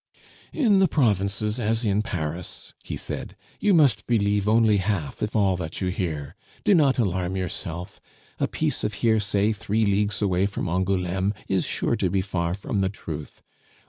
"In the provinces, as in Paris," he said, "you must believe only half of all that you hear. Do not alarm yourself; a piece of hearsay, three leagues away from Angouleme, is sure to be far from the truth.